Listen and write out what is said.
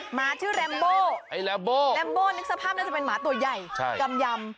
หมาชื่อแรมโบไอแรมโบแรมโบ้นึกสภาพน่าจะเป็นหมาตัวใหญ่กำยำ